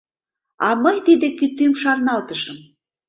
А, мый тиде кӱтӱм шарналтышым.